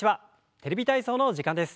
「テレビ体操」の時間です。